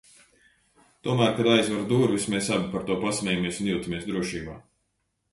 Tomēr, kad aizveru durvis, mēs abi par to pasmejies un jūtamies drošībā.